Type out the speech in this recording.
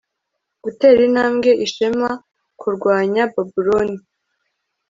gutera intambwe ishema kurwanya babuloni